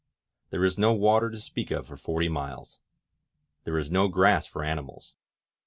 There is no water to speak of for forty miles. There is no grass for animals.